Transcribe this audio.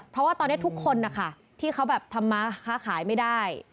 เพราะว่าตอนนี้ทุกคนนะคะที่เขาแบบทำมาค้าขายไม่ได้